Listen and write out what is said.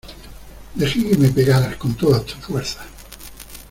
deje que me pegaras con todas tus fuerzas.